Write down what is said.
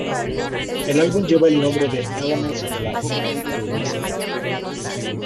El álbum lleva el nombre de Elements of Life: Remixed.